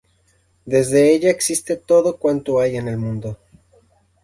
Desde ella existe todo cuanto hay en el mundo.